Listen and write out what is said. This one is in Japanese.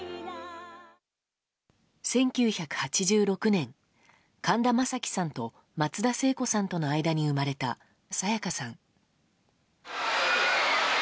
１９８６年、神田正輝さんと松田聖子さんとの間に生まれた沙也加さん。